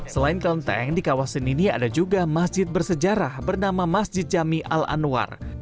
selain kelenteng di kawasan ini ada juga masjid bersejarah bernama masjid jami al anwar